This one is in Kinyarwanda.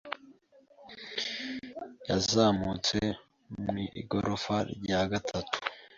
yazamutse mu igorofa rya gatatu.